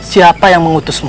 siapa yang mengutusmu